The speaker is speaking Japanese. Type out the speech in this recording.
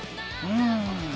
うん。